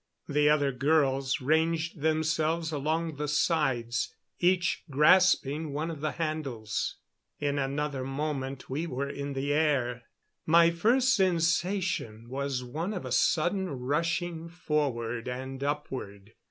The other girls ranged themselves along the sides, each grasping one of the handles. In another moment we were in the air. My first sensation was one of a sudden rushing forward and upward.